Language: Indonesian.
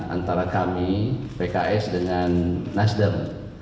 antara kami pks dengan nasdem